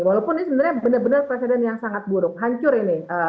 walaupun ini sebenarnya benar benar presiden yang sangat buruk hancur ini